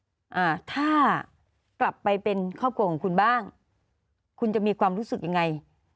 อ่าถ้ากลับไปเป็นครอบครัวของคุณบ้างคุณจะมีความรู้สึกยังไง